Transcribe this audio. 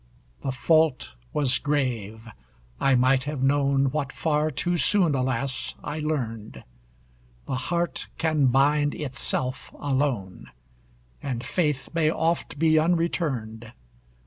The fault was grave! I might have known, What far too soon, alas! I learned The heart can bind itself alone, And faith may oft be unreturned.